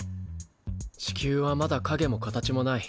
地球はまだかげも形もない。